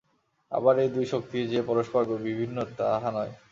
আবার এই দুই শক্তি যে পরস্পর বিভিন্ন, তাহা নয়।